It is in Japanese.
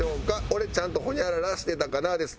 「俺ちゃんとホニャララしてたかな？」です。